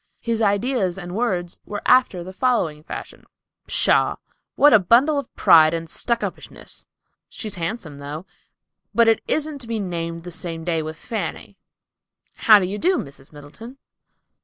His ideas and words were after the following fashion: "Pshaw! What a bundle of pride and stuck up ishness! She's handsome, though, but it isn't to be named the same day with Fanny,"—"How do you do, Miss Middleton?"